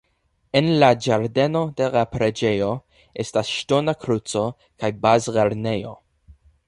En la ĝardeno de la preĝejo estas ŝtona kruco kaj bazlernejo.